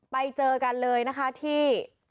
ไปเจอกันเลยนะคะที่